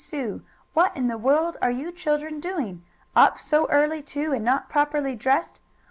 Sue! What in the world are you children doing? Up so early, too, and not properly dressed!